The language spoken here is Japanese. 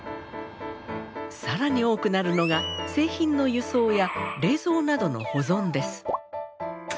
更に多くなるのが製品の輸送や冷蔵などの保存です。